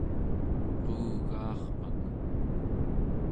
quugaarpak